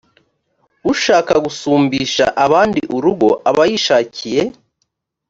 ushaka gusumbisha abandi urugo aba yishakiye